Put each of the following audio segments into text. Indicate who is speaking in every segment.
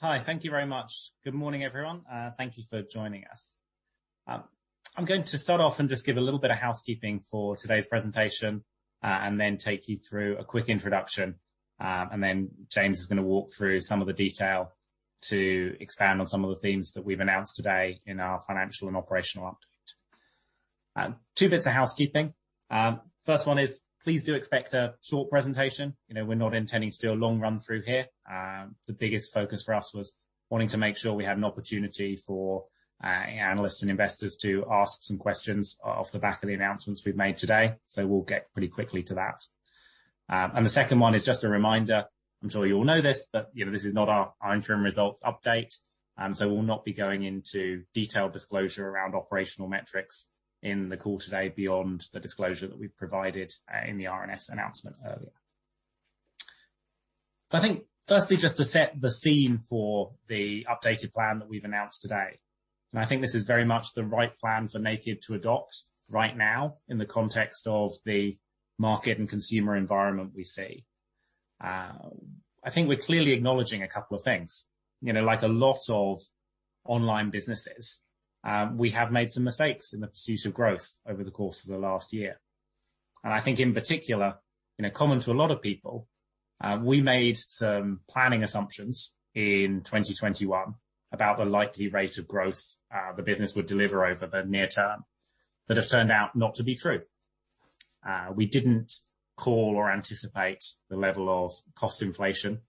Speaker 1: Hi. Thank you very much. Good morning, everyone. Thank you for joining us. I'm going to start off and just give a little bit of housekeeping for today's presentation, and then take you through a quick introduction. And then, James is gonna walk through some of the detail to expand on some of the themes that we've announced today in our financial and operational update. Two bits of housekeeping. First one is, please do expect a short presentation. You know, we're not intending to do a long run through here. The biggest focus for us was wanting to make sure we had an opportunity for analysts and investors to ask some questions off the back of the announcements we've made today. So, we'll get pretty quickly to that. The second one is just a reminder, I'm sure you all know this, but, you know, this is not our interim results update, so we'll not be going into detailed disclosure around operational metrics in the call today beyond the disclosure that we've provided, in the RNS announcement earlier. I think firstly, just to set the scene for the updated plan that we've announced today, and I think this is very much the right plan for Naked to adopt right now in the context of the market and consumer environment we see. I think we're clearly acknowledging a couple of things. You know, like a lot of online businesses, we have made some mistakes in the pursuit of growth over the course of the last year. I think in particular, you know, common to a lot of people, we made some planning assumptions in 2021 about the likely rate of growth the business would deliver over the near term that have turned out not to be true. We didn't call or anticipate the level of cost inflation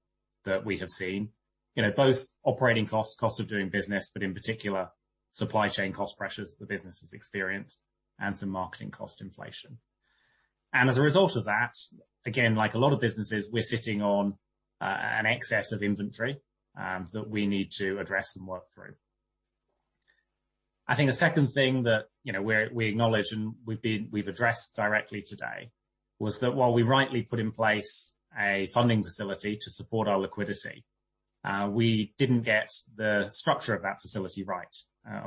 Speaker 1: that we have seen, you know, both operating costs, cost of doing business, but in particular, supply chain cost pressures the business has experienced and some marketing cost inflation. As a result of that, again, like a lot of businesses, we're sitting on an excess of inventory that we need to address and work through. I think the second thing that, you know, we acknowledge and we've addressed directly today was that while we rightly put in place a funding facility to support our liquidity, we didn't get the structure of that facility right.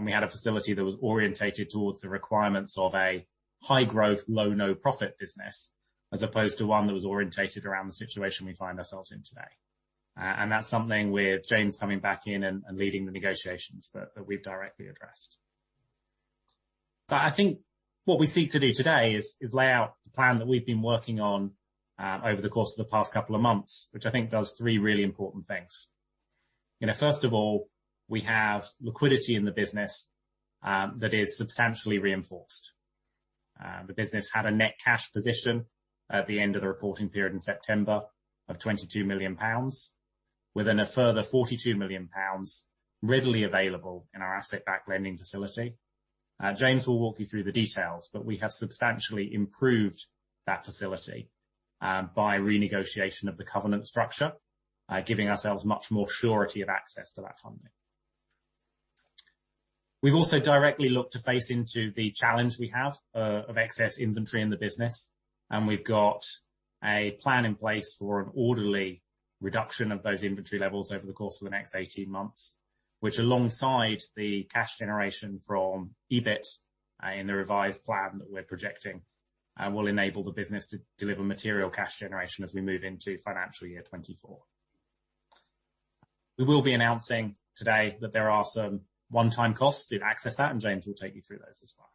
Speaker 1: We had a facility that was oriented towards the requirements of a high growth, low, no profit business, as opposed to one that was oriented around the situation we find ourselves in today. That's something with James coming back in and leading the negotiations that we've directly addressed. So, I think what we seek to do today is lay out the plan that we've been working on over the course of the past couple of months, which I think does three really important things. You know, first of all, we have liquidity in the business that is substantially reinforced. The business had a net cash position at the end of the reporting period in September of 22 million pounds, within a further 42 million pounds readily available in our asset-backed lending facility. James will walk you through the details, but we have substantially improved that facility by renegotiation of the covenant structure, giving ourselves much more surety of access to that funding. We've also directly looked to face into the challenge we have of excess inventory in the business, and we've got a plan in place for an orderly reduction of those inventory levels over the course of the next 18 months, which alongside the cash generation from EBIT in the revised plan that we're projecting will enable the business to deliver material cash generation as we move into financial year 2024. We will be announcing today that there are some one-time costs. We've accessed that, and James will take you through those as well.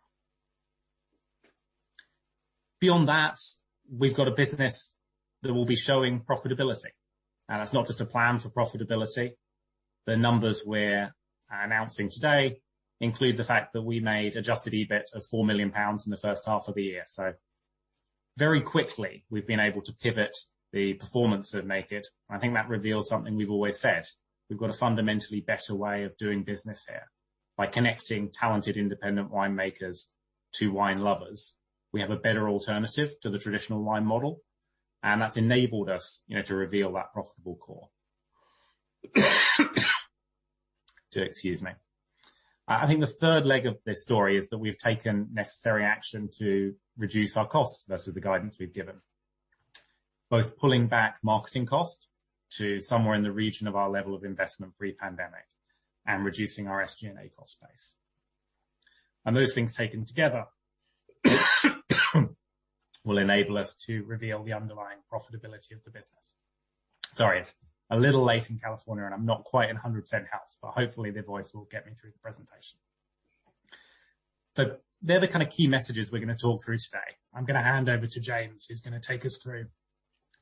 Speaker 1: Beyond that, we've got a business that will be showing profitability. It's not just a plan for profitability. The numbers we're announcing today include the fact that we made adjusted EBIT of 4 million pounds in the first half of the year. Very quickly, we've been able to pivot the performance of Naked. I think that reveals something we've always said. We've got a fundamentally better way of doing business here by connecting talented independent winemakers to wine lovers. We have a better alternative to the traditional wine model, and that's enabled us, you know, to reveal that profitable core. Excuse me. I think the third leg of this story is that we've taken necessary action to reduce our costs versus the guidance we've given. Both pulling back marketing costs to somewhere in the region of our level of investment pre-pandemic and reducing our SG&A cost base. Those things taken together will enable us to reveal the underlying profitability of the business. Sorry, it's a little late in California, and I'm not quite in 100% health, but hopefully the voice will get me through the presentation. They're the kind of key messages we're gonna talk through today. I'm gonna hand over to James, who's gonna take us through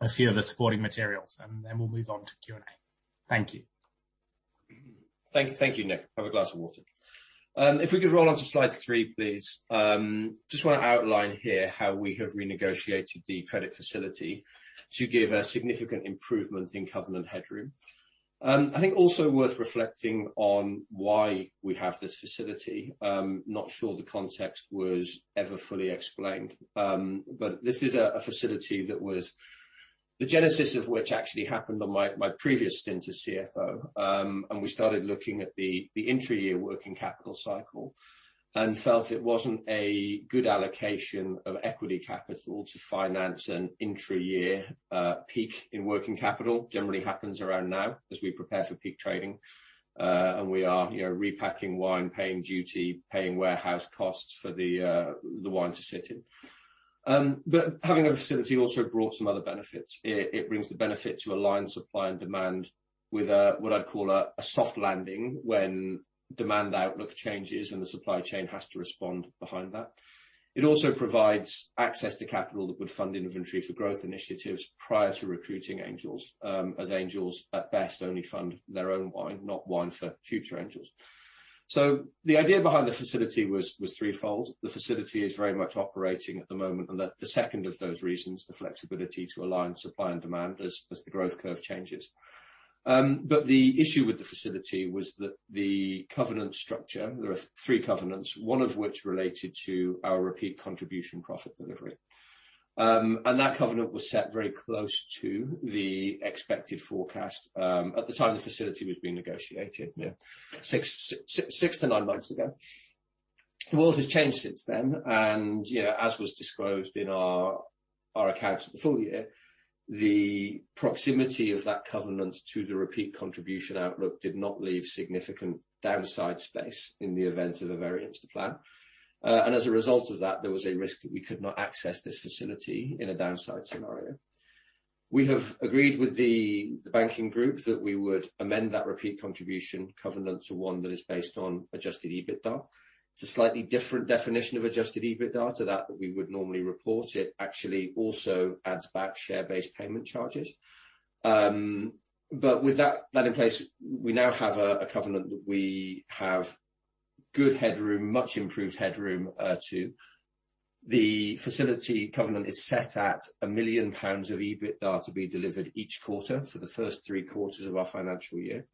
Speaker 1: a few of the supporting materials, and then we'll move on to Q&A. Thank you.
Speaker 2: Thank you, Nick. Have a glass of water. If we could roll on to slide three, please. Just wanna outline here how we have renegotiated the credit facility to give a significant improvement in covenant headroom. I think also worth reflecting on why we have this facility. Not sure the context was ever fully explained. This is a facility the genesis of which actually happened on my previous stint as CFO. We started looking at the intra-year working capital cycle and felt it wasn't a good allocation of equity capital to finance an intra-year peak in working capital. Generally happens around now as we prepare for peak trading, and we are, you know, repacking wine, paying duty, paying warehouse costs for the wine to sit in. Having a facility also brought some other benefits. It brings the benefit to align supply and demand with what I'd call a soft landing when demand outlook changes and the supply chain has to respond behind that. It also provides access to capital that would fund inventory for growth initiatives prior to recruiting Angels, as Angels at best only fund their own wine, not wine for future Angels. The idea behind the facility was threefold. The facility is very much operating at the moment, and the second of those reasons, the flexibility to align supply and demand as the growth curve changes. The issue with the facility was that the covenant structure, there are three covenants, one of which related to our repeat contribution profit delivery. That covenant was set very close to the expected forecast, at the time the facility was being negotiated, you know, six to nine months ago. The world has changed since then, and you know, as was disclosed in our accounts at the full year, the proximity of that covenant to the repeat contribution outlook did not leave significant downside space in the event of a variance to plan. As a result of that, there was a risk that we could not access this facility in a downside scenario. We have agreed with the banking group that we would amend that repeat contribution covenant to one that is based on adjusted EBITDA. It's a slightly different definition of adjusted EBITDA to that we would normally report. It actually also adds back share-based payment charges. With that in place, we now have a covenant that we have good headroom, much improved headroom. The facility covenant is set at 1 million pounds of EBITDA to be delivered each quarter for the first three quarters of our financial year.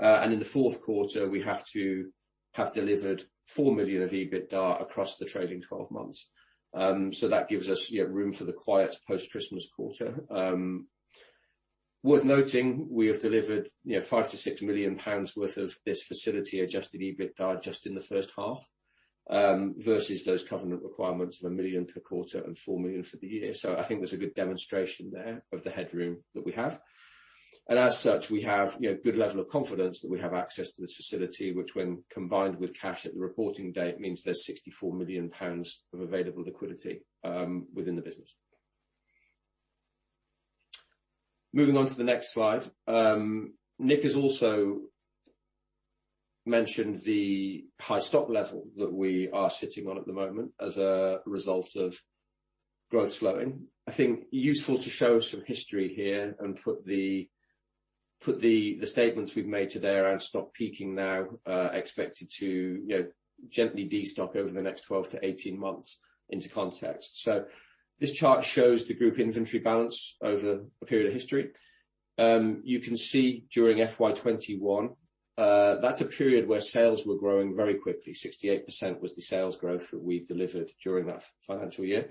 Speaker 2: In the fourth quarter, we have to have delivered 4 million of EBITDA across the trading 12 months. That gives us, you know, room for the quiet post-Christmas quarter. Worth noting, we have delivered, you know, 5 million-6 million pounds worth of this facility adjusted EBITDA just in the first half, versus those covenant requirements of 1 million per quarter and 4 million for the year. I think there's a good demonstration there of the headroom that we have. As such, we have good level of confidence that we have access to this facility, which when combined with cash at the reporting date, means there's 64 million pounds of available liquidity within the business. Moving on to the next slide. Nick has also mentioned the high stock level that we are sitting on at the moment as a result of growth slowing. I think useful to show some history here and put the statements we've made today around stock peaking now expected to gently destock over the next 12 to 18 months into context. This chart shows the group inventory balance over a period of history. You can see during FY 2021, that's a period where sales were growing very quickly. 68% was the sales growth that we delivered during that financial year.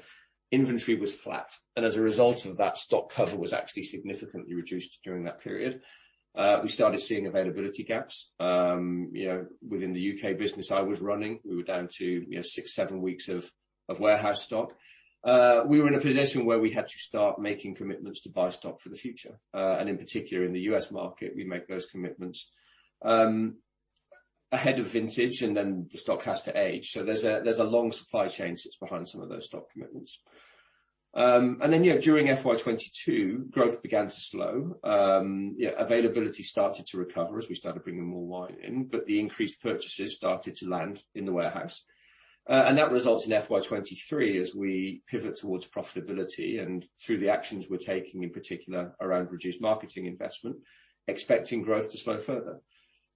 Speaker 2: Inventory was flat, and as a result of that, stock cover was actually significantly reduced during that period. We started seeing availability gaps, you know, within the U.K. business I was running, we were down to, you know, six to seven weeks of warehouse stock. We were in a position where we had to start making commitments to buy stock for the future. In particular, in the U.S. market, we make those commitments ahead of vintage, and then the stock has to age. There's a long supply chain sits behind some of those stock commitments. During FY 2022, growth began to slow. Availability started to recover as we started bringing more wine in, but the increased purchases started to land in the warehouse. That results in FY 2023 as we pivot towards profitability and through the actions we're taking, in particular, around reduced marketing investment, expecting growth to slow further.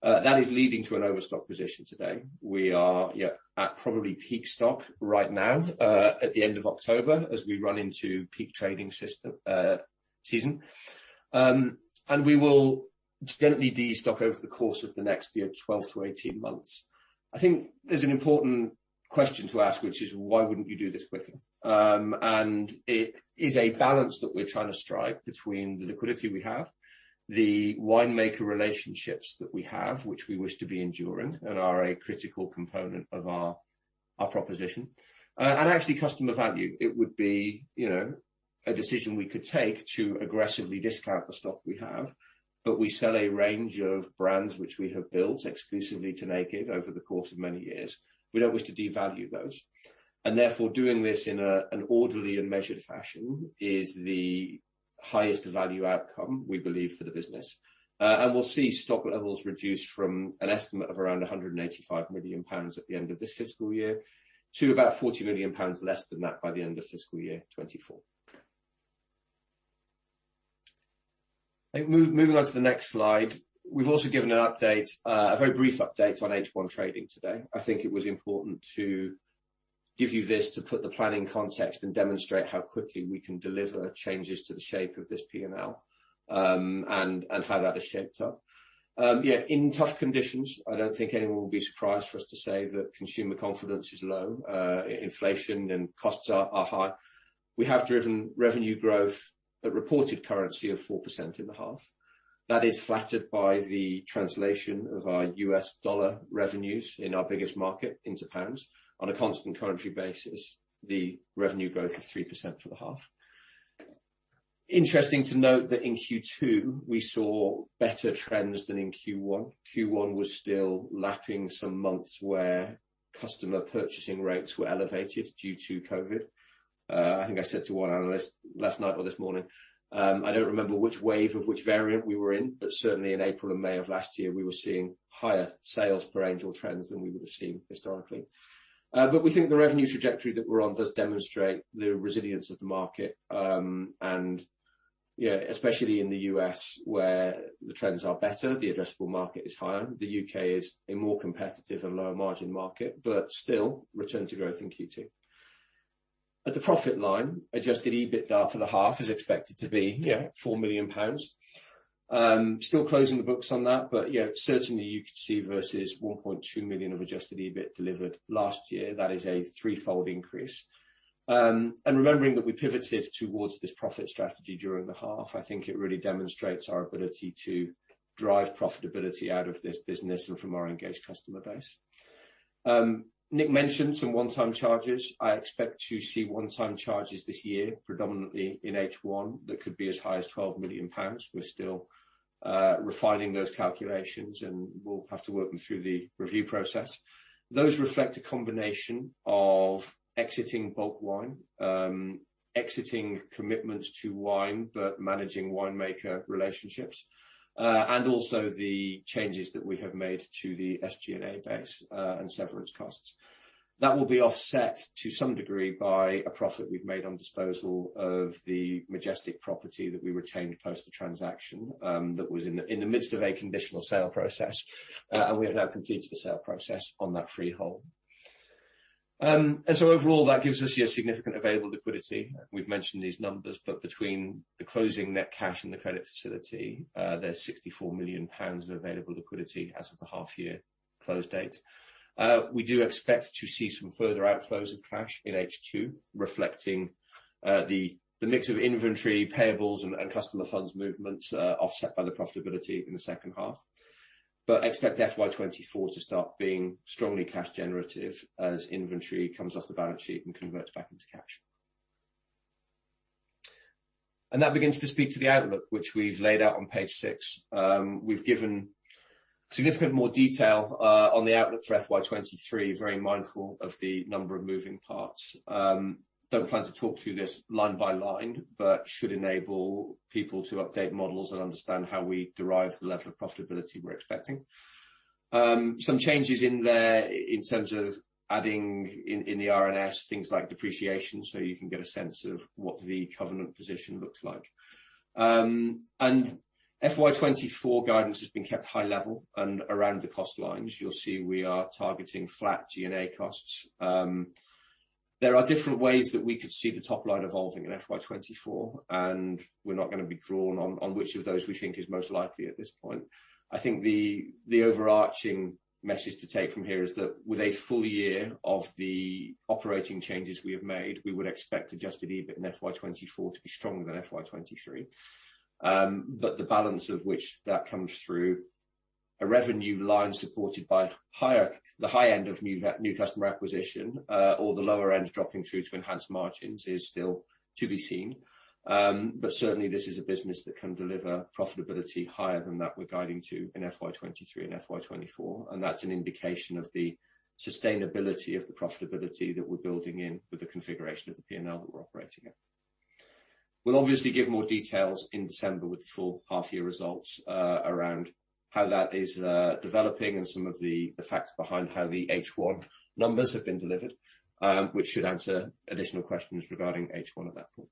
Speaker 2: That is leading to an overstock position today. We are at probably peak stock right now, at the end of October as we run into peak trading season. We will gently destock over the course of the next year, 12 to 18 months. I think there's an important question to ask, which is why wouldn't you do this quicker? It is a balance that we're trying to strike between the liquidity we have, the winemaker relationships that we have, which we wish to be enduring and are a critical component of our proposition, and actually customer value. It would be, you know, a decision we could take to aggressively discount the stock we have, but we sell a range of brands which we have built exclusively to Naked over the course of many years. We don't wish to devalue those, and therefore, doing this in an orderly and measured fashion is the highest value outcome we believe for the business. We'll see stock levels reduce from an estimate of around 185 million pounds at the end of this fiscal year to about 40 million pounds less than that by the end of fiscal year 2024. I think moving on to the next slide. We've also given an update, a very brief update on H1 trading today. I think it was important to give you this to put the plan in context and demonstrate how quickly we can deliver changes to the shape of this P&L, and how that has shaped up. In tough conditions, I don't think anyone will be surprised for us to say that consumer confidence is low, inflation and costs are high. We have driven revenue growth at reported currency of 4% in the half. That is flattered by the translation of our US dollar revenues in our biggest market into pounds. On a constant currency basis, the revenue growth is 3% for the half. Interesting to note that in Q2 we saw better trends than in Q1. Q1 was still lapping some months where customer purchasing rates were elevated due to COVID. I think I said to one analyst last night or this morning, I don't remember which wave of which variant we were in, but certainly in April or May of last year, we were seeing higher sales per Angel trends than we would have seen historically. We think the revenue trajectory that we're on does demonstrate the resilience of the market, and especially in the U.S., where the trends are better, the addressable market is higher. The U.K. is a more competitive and lower margin market, but still return to growth in Q2. At the profit line, adjusted EBITDA for the half is expected to be 4 million pounds. Still closing the books on that, but yeah, certainly you could see versus 1.2 million of adjusted EBIT delivered last year. That is a threefold increase. Remembering that we pivoted towards this profit strategy during the half, I think it really demonstrates our ability to drive profitability out of this business and from our engaged customer base. Nick mentioned some one-time charges. I expect to see one-time charges this year, predominantly in H1. That could be as high as 12 million pounds. We're still refining those calculations, and we'll have to work them through the review process. Those reflect a combination of exiting bulk wine, exiting commitments to wine, but managing winemaker relationships, and also the changes that we have made to the SG&A base, and severance costs. That will be offset to some degree by a profit we've made on disposal of the Majestic property that we retained post the transaction, that was in the midst of a conditional sale process. We have now completed the sale process on that freehold. Overall, that gives us our significant available liquidity. We've mentioned these numbers, but between the closing net cash and the credit facility, there's 64 million pounds of available liquidity as of the half-year close date. We do expect to see some further outflows of cash in H2, reflecting the mix of inventory payables and customer funds movements, offset by the profitability in the second half. Expect FY 2024 to start being strongly cash generative as inventory comes off the balance sheet and converts back into cash. That begins to speak to the outlook which we've laid out on page six. We've given significant more detail on the outlook for FY 2023. Very mindful of the number of moving parts. Don't plan to talk through this line by line, but should enable people to update models and understand how we derive the level of profitability we're expecting. Some changes in there in terms of adding in the RNS things like depreciation, so you can get a sense of what the covenant position looks like. And FY 2024 guidance has been kept high level and around the cost lines. You'll see we are targeting flat G&A costs. There are different ways that we could see the top line evolving in FY 2024, and we're not gonna be drawn on which of those we think is most likely at this point. I think the overarching message to take from here is that with a full year of the operating changes we have made, we would expect adjusted EBIT in FY 2024 to be stronger than FY 2023. The balance of which that comes through a revenue line supported by higher the high end of new customer acquisition, or the lower end dropping through to enhanced margins is still to be seen. Certainly this is a business that can deliver profitability higher than that we're guiding to in FY 2023 and FY 2024, and that's an indication of the sustainability of the profitability that we're building in with the configuration of the P&L that we're operating in. We'll obviously give more details in December with the full half year results around how that is developing and some of the facts behind how the H1 numbers have been delivered, which should answer additional questions regarding H1 at that point.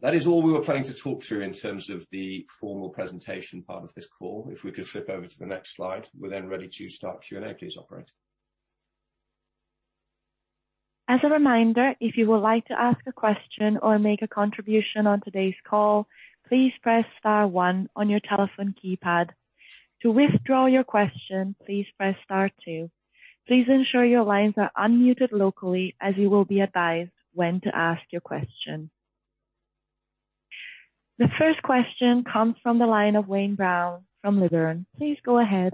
Speaker 2: That is all we were planning to talk through in terms of the formal presentation part of this call. If we could flip over to the next slide, we're then ready to start Q&A. Please, operator.
Speaker 3: As a reminder, if you would like to ask a question or make a contribution on today's call, please press star one on your telephone keypad. To withdraw your question, please press star two. Please ensure your lines are unmuted locally as you will be advised when to ask your question. The first question comes from the line of Wayne Brown from Liberum. Please go ahead.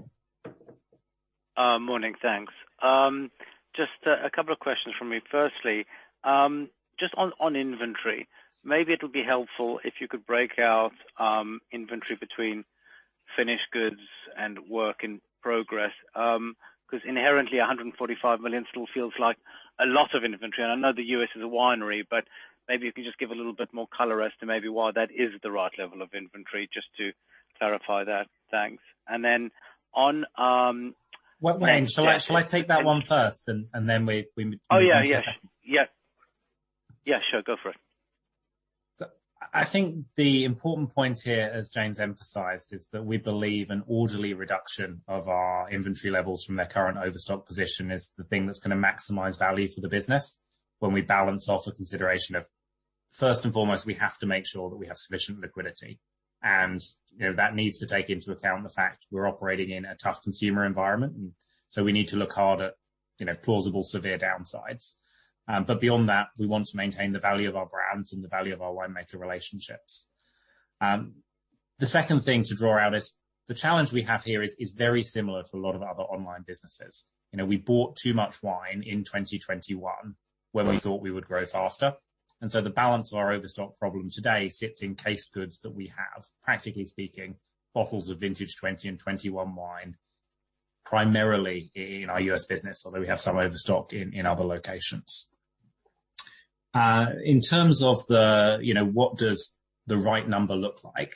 Speaker 4: Morning. Thanks. Just a couple of questions from me. Firstly, just on inventory. Maybe it'll be helpful if you could break out inventory between finished goods and work in progress, 'cause inherently 145 million still feels like a lot of inventory. I know the U.S. is a winery, but maybe if you just give a little bit more color as to maybe why that is the right level of inventory just to clarify that. Thanks. And then on.
Speaker 1: Wayne, shall I take that one first and then we.
Speaker 4: Oh, yeah. Yeah, sure. Go for it.
Speaker 1: I think the important point here, as James emphasized, is that we believe an orderly reduction of our inventory levels from their current overstock position is the thing that's gonna maximize value for the business when we balance off the consideration of first and foremost, we have to make sure that we have sufficient liquidity. You know, that needs to take into account the fact we're operating in a tough consumer environment, and so we need to look hard at, you know, plausible severe downsides. Beyond that, we want to maintain the value of our brands and the value of our winemaker relationships. The second thing to draw out is the challenge we have here is very similar to a lot of other online businesses. You know, we bought too much wine in 2021 when we thought we would grow faster. And so the balance of our overstock problem today sits in case goods that we have, practically speaking, bottles of vintage 2020 and 2021 wine, primarily in our U.S. business, although we have some overstock in other locations. In terms of the, you know, what does the right number look like?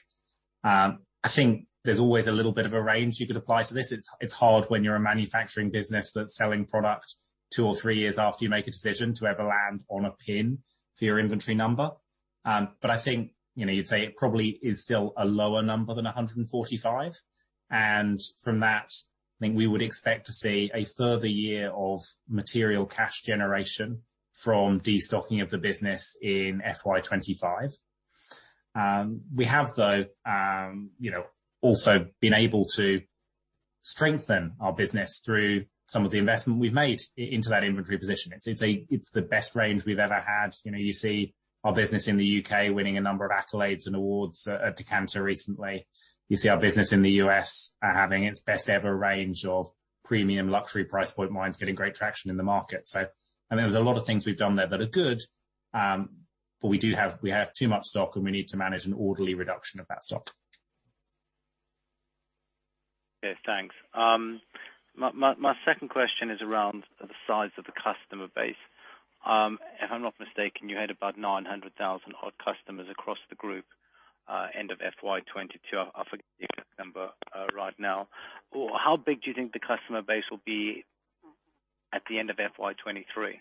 Speaker 1: I think there's always a little bit of a range you could apply to this. It's hard when you're a manufacturing business that's selling product two or three years after you make a decision to ever land on a pinpoint for your inventory number. But I think, you know, you'd say it probably is still a lower number than 145. From that, I think we would expect to see a further year of material cash generation from destocking of the business in FY 2025. We have, though, you know, also been able to strengthen our business through some of the investment we've made into that inventory position. It's the best range we've ever had. You know, you see our business in the U.K. winning a number of accolades and awards at Decanter recently. You see our business in the U.S. having its best ever range of premium luxury price point wines, getting great traction in the market. I think there's a lot of things we've done there that are good, but we have too much stock, and we need to manage an orderly reduction of that stock.
Speaker 4: Yeah. Thanks. My second question is around the size of the customer base. If I'm not mistaken, you had about 900,000 odd customers across the group, end of FY 2022. I forget the exact number right now. How big do you think the customer base will be at the end of FY 2023?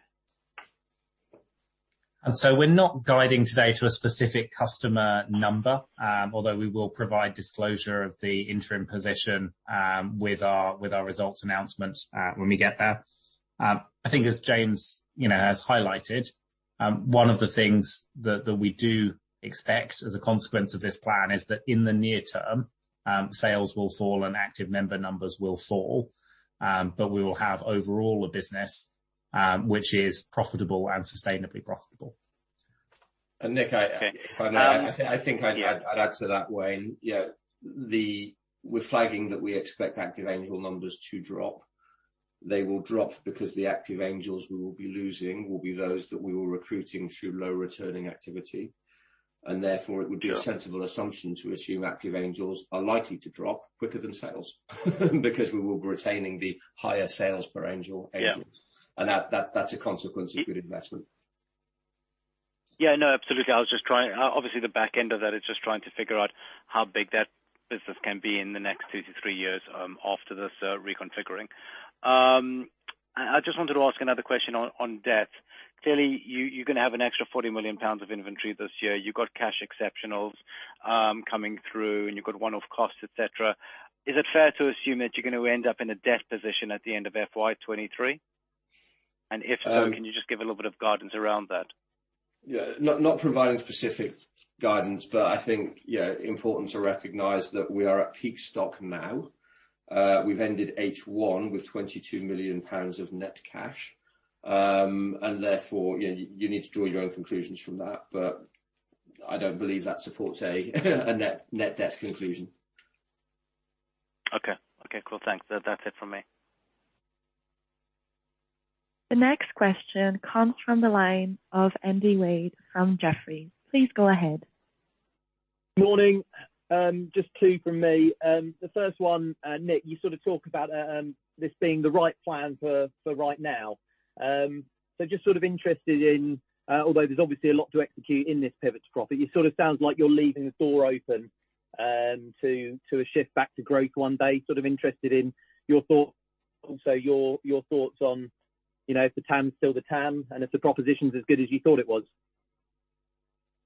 Speaker 1: We're not guiding today to a specific customer number, although we will provide disclosure of the interim position with our results announcement when we get there. I think as James, you know, has highlighted, one of the things that we do expect as a consequence of this plan is that in the near term, sales will fall and active member numbers will fall, but we will have overall a business which is profitable and sustainably profitable.
Speaker 2: Nick, I think I'd add to that, Wayne. Yeah, we're flagging that we expect active Angel numbers to drop. They will drop because the active Angels we will be losing will be those that we were recruiting through low returning activity, and therefore, it would be a sensible assumption to assume active Angels are likely to drop quicker than sales because we will be retaining the higher sales per Angel.
Speaker 4: Yeah.
Speaker 2: That's a consequence of good investment.
Speaker 4: Yeah. No, absolutely. I was just trying to figure out how big that business can be in the next two to three years after this reconfiguring. I just wanted to ask another question on debt. Clearly, you're gonna have an extra 40 million pounds of inventory this year. You've got cash exceptionals coming through, and you've got one-off costs, et cetera. Is it fair to assume that you're gonna end up in a debt position at the end of FY 2023? If so, can you just give a little bit of guidance around that?
Speaker 2: Yeah. Not providing specific guidance, but I think important to recognize that we are at peak stock now. We've ended H1 with 22 million pounds of net cash, and therefore, you know, you need to draw your own conclusions from that. I don't believe that supports a net debt conclusion.
Speaker 4: Okay. Okay, cool. Thanks. That's it from me.
Speaker 3: The next question comes from the line of Andy Wade from Jefferies. Please go ahead.
Speaker 5: Morning. Just two from me. The first one, Nick, you sort of talk about this being the right plan for right now. Just sort of interested in, although there's obviously a lot to execute in this pivot to profit, it sort of sounds like you're leaving the door open to a shift back to growth one day. Sort of interested in your thoughts. Also, your thoughts on, you know, if the TAM is still the TAM and if the proposition is as good as you thought it was.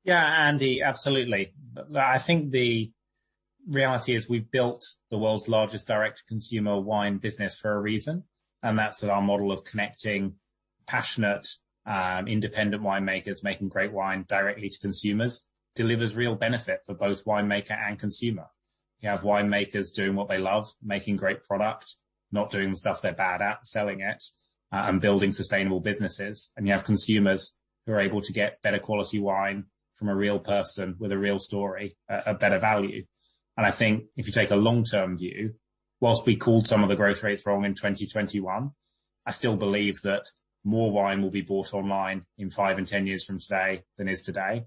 Speaker 1: Yeah, Andy, absolutely. I think the reality is we've built the world's largest direct-to-consumer wine business for a reason, and that's that our model of connecting passionate, independent winemakers making great wine directly to consumers delivers real benefit for both winemaker and consumer. You have winemakers doing what they love, making great product, not doing the stuff they're bad at, selling it, and building sustainable businesses. You have consumers who are able to get better quality wine from a real person with a real story at better value. I think if you take a long-term view, whilst we called some of the growth rates wrong in 2021, I still believe that more wine will be bought online in five and 10 years from today than is today.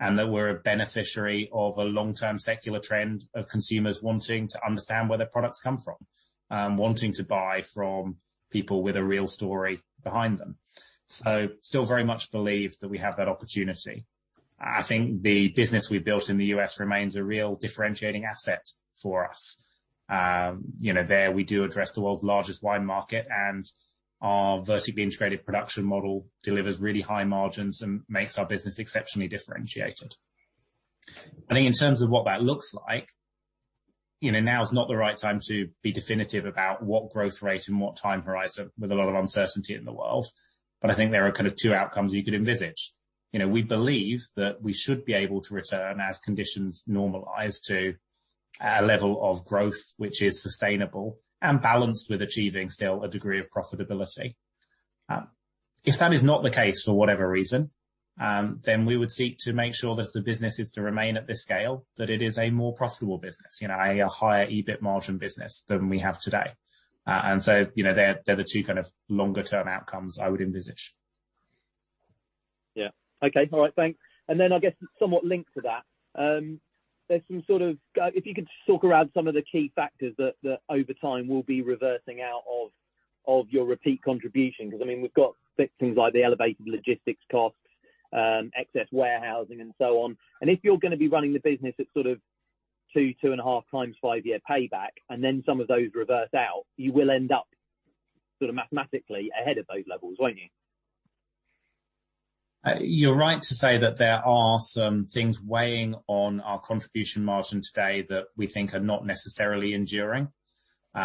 Speaker 1: That we're a beneficiary of a long-term secular trend of consumers wanting to understand where their products come from, wanting to buy from people with a real story behind them. Still very much believe that we have that opportunity. I think the business we built in the U.S. remains a real differentiating asset for us. You know, there we do address the world's largest wine market, and our vertically integrated production model delivers really high margins and makes our business exceptionally differentiated. I think in terms of what that looks like, you know, now is not the right time to be definitive about what growth rate and what time horizon with a lot of uncertainty in the world. I think there are kind of two outcomes you could envisage. You know, we believe that we should be able to return as conditions normalize to a level of growth which is sustainable and balanced with achieving still a degree of profitability. If that is not the case for whatever reason, then we would seek to make sure that the business is to remain at this scale, that it is a more profitable business, you know, a higher EBIT margin business than we have today. And so, you know, they're the two kind of longer-term outcomes I would envisage.
Speaker 5: Yeah. Okay. All right. Thanks. I guess somewhat linked to that, if you could just talk around some of the key factors that over time will be reversing out of your repeat contribution. Because, I mean, we've got big things like the elevated logistics costs, excess warehousing and so on. If you're gonna be running the business at sort of 2.5 times five-year payback, and then some of those reverse out, you will end up sort of mathematically ahead of those levels, won't you?
Speaker 1: You're right to say that there are some things weighing on our contribution margin today that we think are not necessarily enduring. You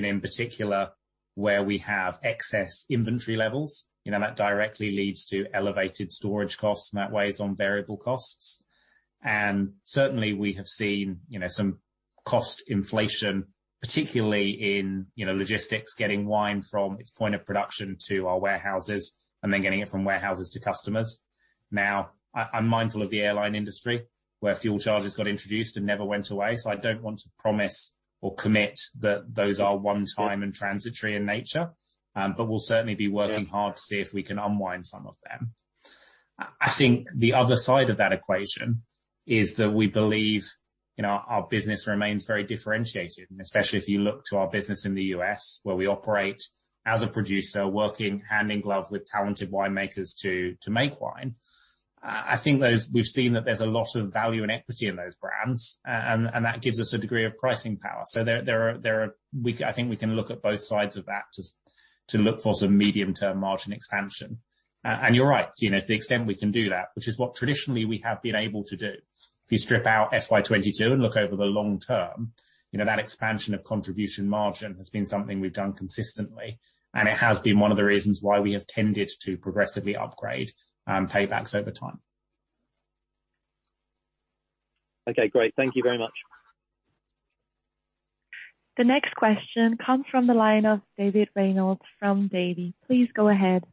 Speaker 1: know, in particular, where we have excess inventory levels, you know, that directly leads to elevated storage costs, and that weighs on variable costs. Certainly, we have seen, you know, some cost inflation, particularly in, you know, logistics, getting wine from its point of production to our warehouses, and then getting it from warehouses to customers. Now, I'm mindful of the airline industry, where fuel charges got introduced and never went away, so I don't want to promise or commit that those are one time and transitory in nature. And we'll certainly be working hard to see if we can unwind some of them. I think the other side of that equation is that we believe, you know, our business remains very differentiated, and especially if you look to our business in the U.S. where we operate as a producer, working hand in glove with talented winemakers to make wine. I think we've seen that there's a lot of value and equity in those brands, and that gives us a degree of pricing power. I think we can look at both sides of that to look for some medium-term margin expansion. You're right, you know, to the extent we can do that, which is what traditionally we have been able to do. If you strip out FY 2022 and look over the long term, you know, that expansion of contribution margin has been something we've done consistently, and it has been one of the reasons why we have tended to progressively upgrade paybacks over time.
Speaker 5: Okay, great. Thank you very much.
Speaker 3: The next question comes from the line of David Reynolds from Davy. Please go ahead.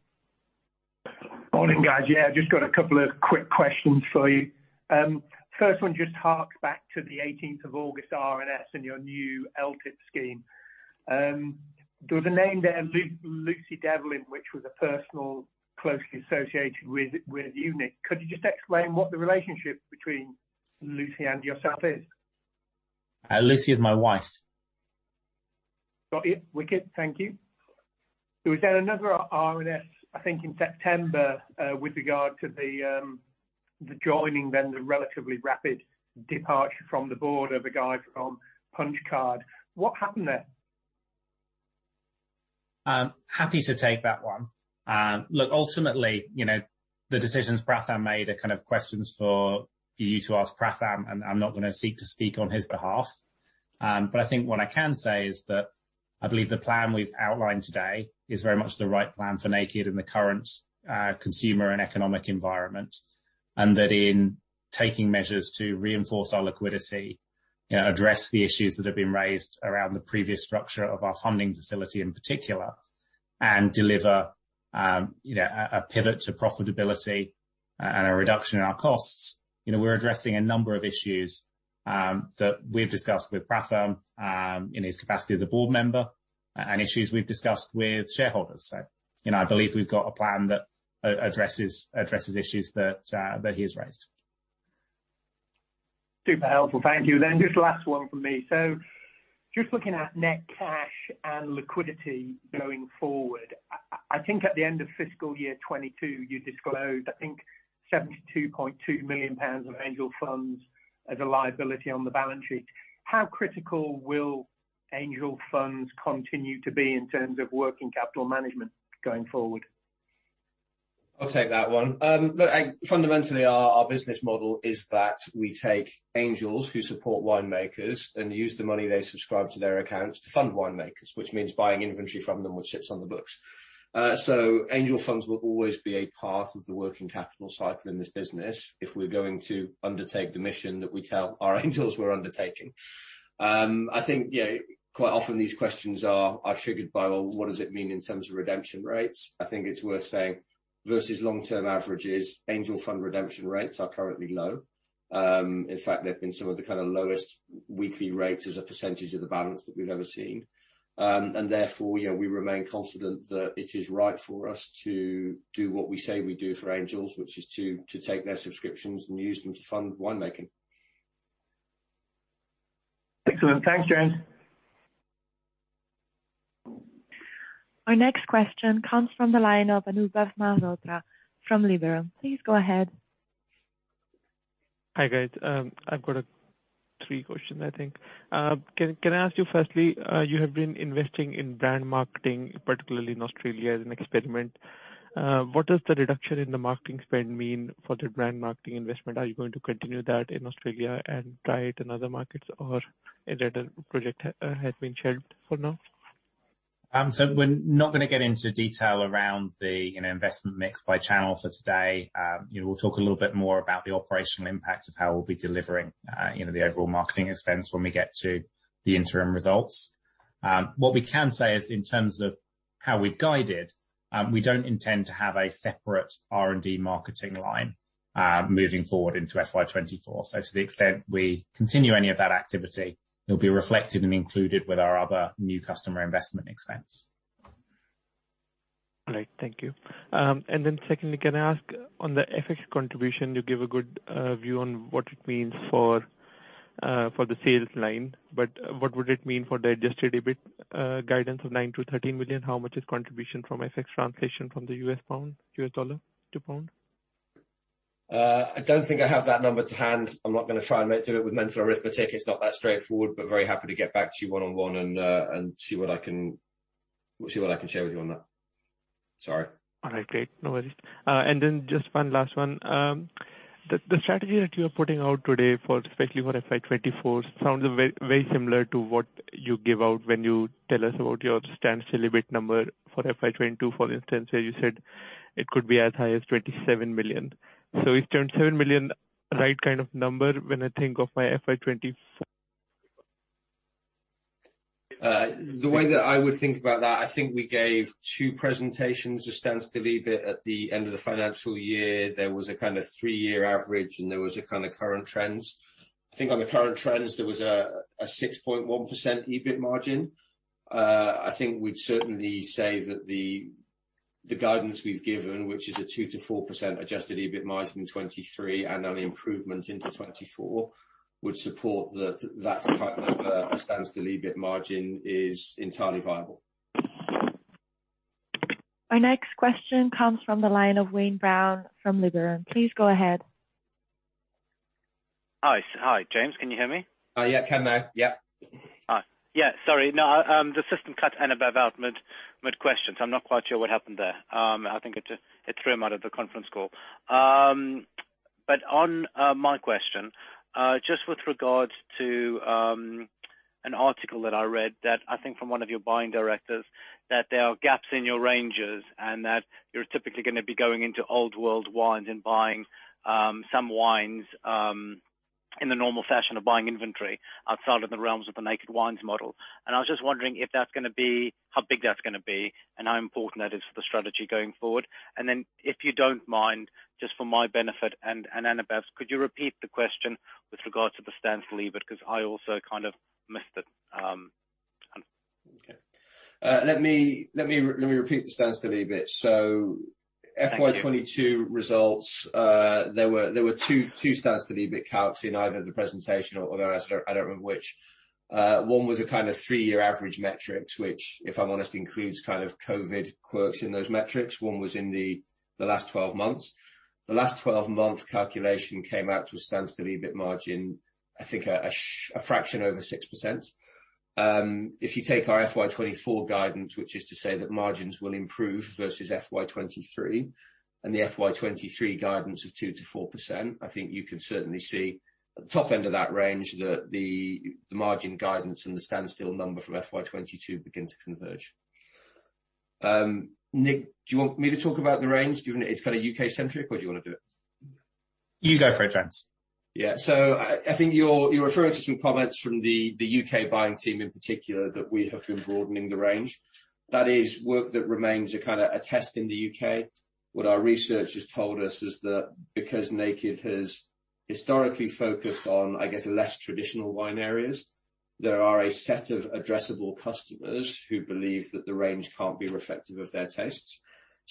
Speaker 6: Morning, guys. Yeah, I've just got a couple of quick questions for you. First one just harks back to the 18th of August RNS and your new LTIP scheme. There was a name there, Lucy Devlin, which was a person closely associated with you, Nick. Could you just explain what the relationship between Lucy and yourself is?
Speaker 1: Lucy is my wife.
Speaker 6: Got it. Wicked. Thank you. There was then another RNS, I think, in September, with regard to the joining, then the relatively rapid departure from the board of a guy from Punch Card. What happened there?
Speaker 1: I'm happy to take that one. Look, ultimately, you know, the decisions Pratham made are kind of questions for you to ask Pratham, and I'm not gonna seek to speak on his behalf. I think what I can say is that I believe the plan we've outlined today is very much the right plan for Naked in the current consumer and economic environment, and that in taking measures to reinforce our liquidity, you know, address the issues that have been raised around the previous structure of our funding facility in particular, and deliver, you know, a pivot to profitability and a reduction in our costs. You know, we're addressing a number of issues that we've discussed with Pratham in his capacity as a board member and issues we've discussed with shareholders. You know, I believe we've got a plan that addresses issues that he has raised.
Speaker 6: Super helpful. Thank you. Just last one from me. Just looking at net cash and liquidity going forward, I think at the end of fiscal year 2022, you disclosed, I think 72.2 million pounds of Angel funds as a liability on the balance sheet. How critical will Angel funds continue to be in terms of working capital management going forward?
Speaker 2: I'll take that one. Look, fundamentally, our business model is that we take Angels who support winemakers and use the money they subscribe to their accounts to fund winemakers, which means buying inventory from them, which sits on the books. Angel funds will always be a part of the working capital cycle in this business if we're going to undertake the mission that we tell our Angels we're undertaking. I think, you know, quite often these questions are triggered by, well, what does it mean in terms of redemption rates? I think it's worth saying versus long-term averages, Angel fund redemption rates are currently low. In fact, they've been some of the kind of lowest weekly rates as a percentage of the balance that we've ever seen. Therefore, you know, we remain confident that it is right for us to do what we say we do for Angels, which is to take their subscriptions and use them to fund winemaking.
Speaker 6: Excellent. Thanks, gents.
Speaker 3: Our next question comes from the line of Anubhav Malhotra from Liberum. Please go ahead.
Speaker 7: Hi, guys. I've got three questions, I think. Can I ask you, firstly, you have been investing in brand marketing, particularly in Australia as an experiment. What does the reduction in the marketing spend mean for the brand marketing investment? Are you going to continue that in Australia and try it in other markets or is that a project has been shelved for now?
Speaker 1: We're not gonna get into detail around the, you know, investment mix by channel for today. You know, we'll talk a little bit more about the operational impact of how we'll be delivering, you know, the overall marketing expense when we get to the interim results. What we can say is in terms of how we've guided, we don't intend to have a separate R&D marketing line, moving forward into FY 2024. To the extent we continue any of that activity, it'll be reflected and included with our other new customer investment expense.
Speaker 7: All right. Thank you. And then, secondly, can I ask on the FX contribution? You give a good view on what it means for the sales line, but what would it mean for the adjusted EBIT guidance of 9 million-13 million? How much is contribution from FX translation from the US dollar to pound?
Speaker 2: I don't think I have that number to hand. I'm not gonna try and do it with mental arithmetic. It's not that straightforward, but very happy to get back to you one-on-one and we'll see what I can share with you on that. Sorry.
Speaker 7: All right. Great. No worries. And then just one last one. The strategy that you're putting out today for, especially for FY 2024, sounds very, very similar to what you give out when you tell us about your standstill EBIT number for FY 2022, for instance, where you said it could be as high as 27 million. Is 27 million right kind of number when I think of my FY 2024?
Speaker 2: The way that I would think about that, I think we gave two presentations of standstill EBIT at the end of the financial year. There was a kinda three-year average, and there was a kinda current trends. I think on the current trends, there was a 6.1% EBIT margin. I think we'd certainly say that the guidance we've given, which is a 2%-4% adjusted EBIT margin in 2023 and an improvement into 2024, would support that kind of standstill EBIT margin is entirely viable.
Speaker 3: Our next question comes from the line of Wayne Brown from Liberum. Please go ahead.
Speaker 4: Hi, James, can you hear me?
Speaker 2: Yeah. Come now. Yeah.
Speaker 4: All right. Yeah, sorry. No, the system cut Anubhav Malhotra out mid-questions. I'm not quite sure what happened there. I think it threw him out of the conference call. And on my question just with regards to an article that I read that I think from one of your buying directors, that there are gaps in your ranges, and that you're typically gonna be going into old world wines and buying some wines in the normal fashion of buying inventory outside of the realms of the Naked Wines model. I was just wondering if that's gonna be, how big that's gonna be, and how important that is for the strategy going forward. Then if you don't mind, just for my benefit and Anubhav's, could you repeat the question with regards to the Standstill EBIT? 'Cause I also kind of missed it.
Speaker 2: Okay. Let me repeat the Standstill EBIT.
Speaker 4: Thank you.
Speaker 2: FY22 results, there were two Standstill EBIT calcs in either the presentation or I don't remember which. One was a kinda three-year average metrics, which, if I'm honest, includes kind of COVID quirks in those metrics. One was in the last 12 months. The last 12-month calculation came out to a Standstill EBIT margin, I think a fraction over 6%. If you take our FY 2024 guidance, which is to say that margins will improve versus FY 2023 and the FY 2023 guidance of 2%-4%, I think you can certainly see at the top end of that range that the margin guidance and the standstill number from FY 2022 begin to converge. Nick, do you want me to talk about the range, given it's kinda U.K.-centric, or do you wanna do it?
Speaker 1: You go for it, James.
Speaker 2: Yeah. I think you're referring to some comments from the U.K. buying team in particular that we have been broadening the range. That is work that remains kinda a test in the U.K. What our research has told us is that because Naked has historically focused on, I guess, less traditional wine areas, there are a set of addressable customers who believe that the range can't be reflective of their tastes.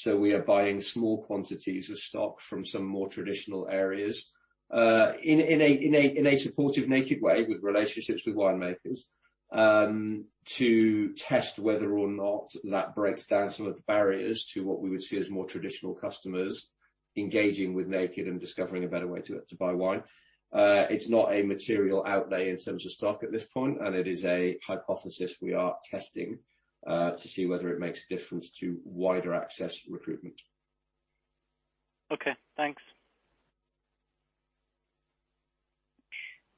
Speaker 2: We are buying small quantities of stock from some more traditional areas, in a supportive Naked way with relationships with winemakers, to test whether or not that breaks down some of the barriers to what we would see as more traditional customers engaging with Naked and discovering a better way to buy wine. It's not a material outlay in terms of stock at this point, and it is a hypothesis we are testing, to see whether it makes a difference to wider access recruitment.
Speaker 4: Okay. Thanks.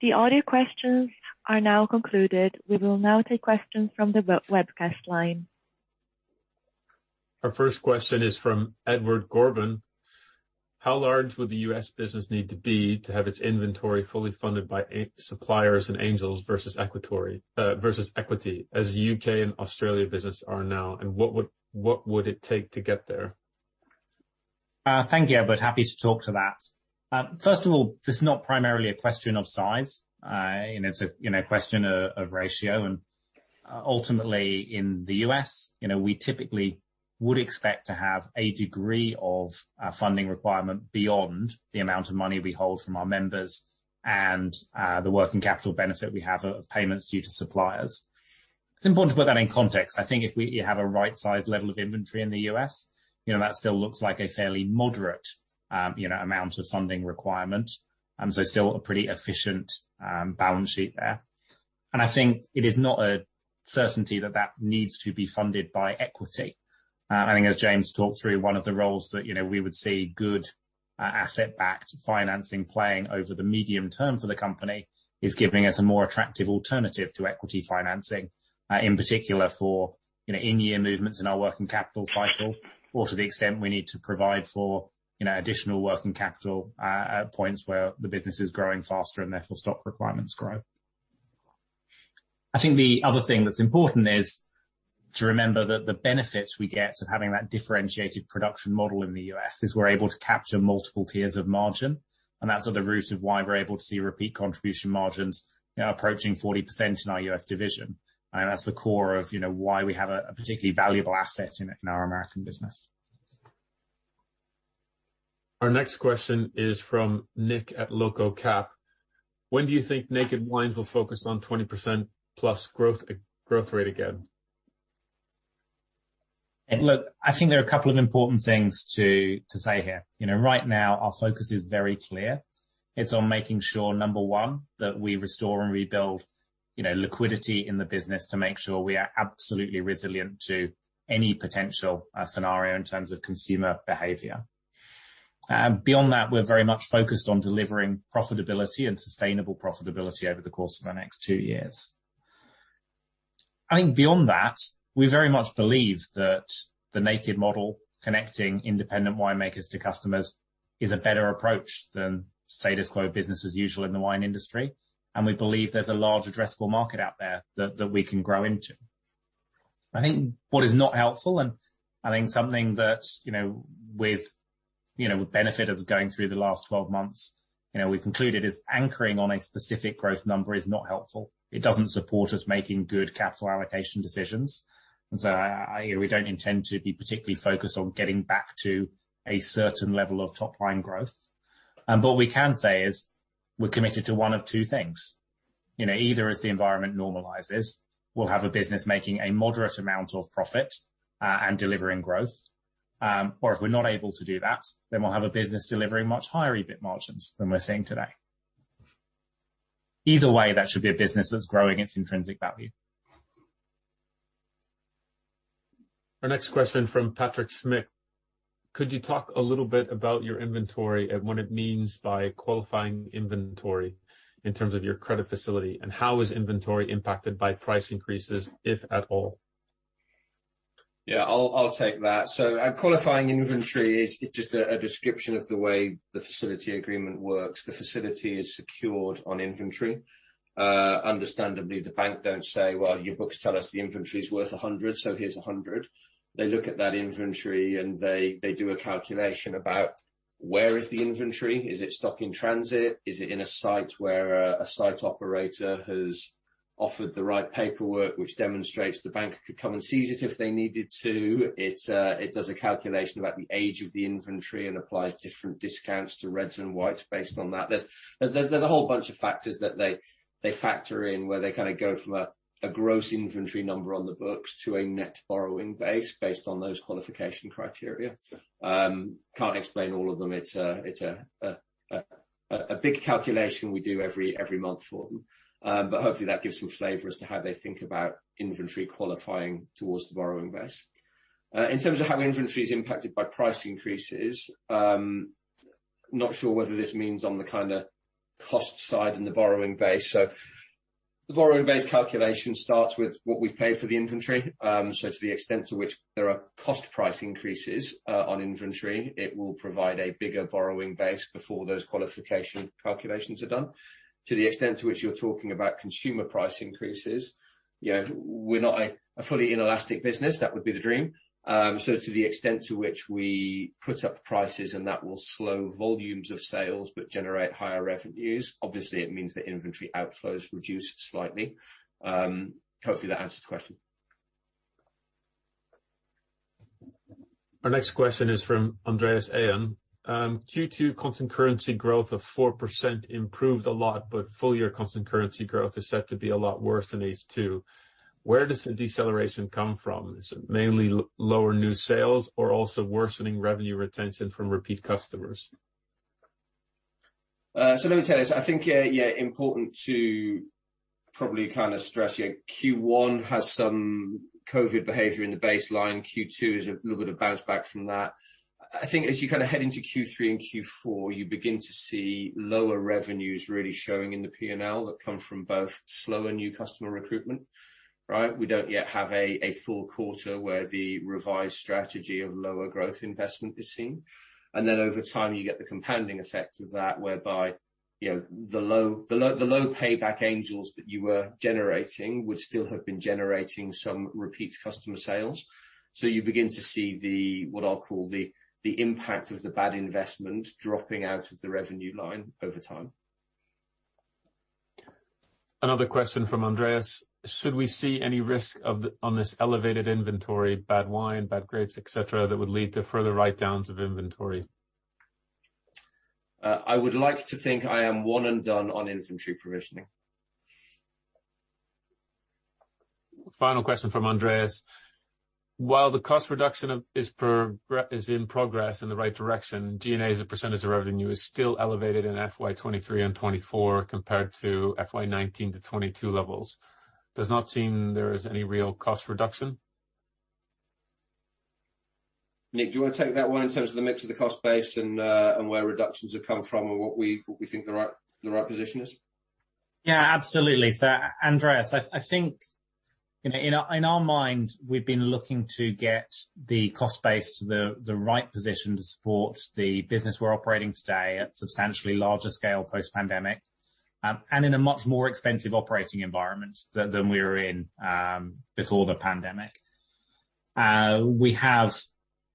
Speaker 3: The audio questions are now concluded. We will now take questions from the webcast line.
Speaker 8: Our first question is from Edward Corbin. How large would the U.S. business need to be to have its inventory fully funded by suppliers and Angels versus equity, as U.K. and Australia business are now, and what would it take to get there?
Speaker 1: Thank you, Edward. Happy to talk to that. First of all, this is not primarily a question of size. It's a, you know, question of ratio and ultimately in the U.S., you know, we typically would expect to have a degree of funding requirement beyond the amount of money we hold from our members and the working capital benefit we have of payments due to suppliers. It's important to put that in context. I think if we have a right size level of inventory in the U.S., you know, that still looks like a fairly moderate, you know, amount of funding requirement, so still a pretty efficient balance sheet there. I think it is not a certainty that that needs to be funded by equity. I think as James talked through one of the roles that, you know, we would see good asset-backed financing playing over the medium term for the company is giving us a more attractive alternative to equity financing. In particular for, you know, in-year movements in our working capital cycle or to the extent we need to provide for, you know, additional working capital, at points where the business is growing faster and therefore stock requirements grow. I think the other thing that's important is to remember that the benefits we get of having that differentiated production model in the U.S., is we're able to capture multiple tiers of margin, and that's at the root of why we're able to see repeat contribution margins, you know, approaching 40% in our U.S. division. That's the core of, you know, why we have a particularly valuable asset in our American business.
Speaker 8: Our next question is from Nick at Loco Cap. When do you think Naked Wines will focus on +20% growth rate again?
Speaker 1: Look, I think there are a couple of important things to say here. You know, right now our focus is very clear. It's on making sure, number one, that we restore and rebuild, you know, liquidity in the business to make sure we are absolutely resilient to any potential scenario in terms of consumer behavior. Beyond that, we're very much focused on delivering profitability and sustainable profitability over the course of the next two years. I think beyond that, we very much believe that the Naked model, connecting independent winemakers to customers is a better approach than status quo business as usual in the wine industry. We believe there's a large addressable market out there that we can grow into. I think what is not helpful, and I think something that, you know, with benefit of going through the last 12 months, we've concluded is anchoring on a specific growth number is not helpful. It doesn't support us making good capital allocation decisions. We don't intend to be particularly focused on getting back to a certain level of top line growth. But what we can say is we're committed to one of two things. You know, either as the environment normalizes, we'll have a business making a moderate amount of profit, and delivering growth. If we're not able to do that, then we'll have a business delivering much higher EBIT margins than we're seeing today. Either way, that should be a business that's growing its intrinsic value.
Speaker 8: Our next question from Patrick Schmidt. Could you talk a little bit about your inventory and what it means by qualifying inventory in terms of your credit facility? How is inventory impacted by price increases, if at all?
Speaker 2: Yeah, I'll take that. So, a qualifying inventory is just a description of the way the facility agreement works. The facility is secured on inventory. Understandably, the bank don't say, "Well, your books tell us the inventory is worth 100, so here's 100." They look at that inventory and they do a calculation about where is the inventory? Is it stock in transit? Is it in a site where a site operator has offered the right paperwork which demonstrates the bank could come and seize it if they needed to? It does a calculation about the age of the inventory and applies different discounts to reds and whites based on that. There's a whole bunch of factors that they factor in, where they kinda go from a gross inventory number on the books to a net borrowing base based on those qualification criteria. Can't explain all of them. It's a big calculation we do every month for them. Hopefully that gives some flavor as to how they think about inventory qualifying towards the borrowing base. In terms of how inventory is impacted by price increases, not sure whether this means on the kinda cost side and the borrowing base. The borrowing base calculation starts with what we've paid for the inventory. To the extent to which there are cost price increases on inventory, it will provide a bigger borrowing base before those qualification calculations are done. To the extent to which you're talking about consumer price increases, you know, we're not a fully inelastic business. That would be the dream. So to the extent to which we put up prices and that will slow volumes of sales but generate higher revenues, obviously it means that inventory outflows reduce slightly. Hopefully that answers the question.
Speaker 8: Our next question is from Andreas Ayhan. Q2 constant currency growth of 4% improved a lot. Full year constant currency growth is set to be a lot worse than H2. Where does the deceleration come from? Is it mainly lower new sales or also worsening revenue retention from repeat customers?
Speaker 1: Let me tell you this. I think, yeah, important to probably kinda stress, you know, Q1 has some COVID behavior in the baseline. Q2 is a little bit of bounce back from that. I think as you kinda head into Q3 and Q4, you begin to see lower revenues really showing in the P&L that come from both slower new customer recruitment. Right? We don't yet have a full quarter where the revised strategy of lower growth investment is seen. And then over time, you get the compounding effect of that, whereby, you know, the low payback Angels that you were generating would still have been generating some repeat customer sales. You begin to see what I'll call the impact of the bad investment dropping out of the revenue line over time.
Speaker 8: Another question from Andreas. Should we see any risk on this elevated inventory, bad wine, bad grapes, et cetera, that would lead to further write-downs of inventory?
Speaker 1: I would like to think I am one and done on inventory provisioning.
Speaker 8: Final question from Andreas. While the cost reduction is in progress in the right direction, G&A as a percentage of revenue is still elevated in FY 2023 and FY 2024 compared to FY 2019 to FY 2022 levels. Does not seem there is any real cost reduction.
Speaker 2: Nick, do you want to take that one in terms of the mix of the cost base and where reductions have come from and what we think the right position is?
Speaker 1: Yeah, absolutely. Andreas, I think, you know, in our mind, we've been looking to get the cost base to the right position to support the business we're operating today at substantially larger scale post-pandemic, and in a much more expensive operating environment than we were in before the pandemic. We have,